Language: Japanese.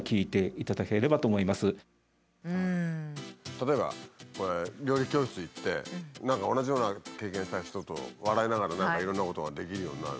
例えば料理教室行って何か同じような経験した人と笑いながら何かいろんなことができるようになる。